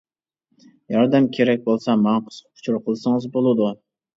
ياردەم كىرىك بولسا ماڭا قىسقا ئۇچۇر قىلسىڭىز بولىدۇ.